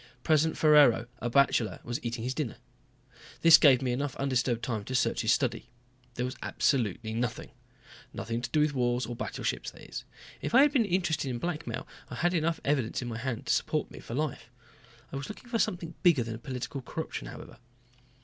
President Ferraro, a bachelor, was eating his dinner. This gave me enough undisturbed time to search his study. There was absolutely nothing. Nothing to do with wars or battleships that is. If I had been interested in blackmail I had enough evidence in my hand to support me for life. I was looking for something bigger than political corruption, however.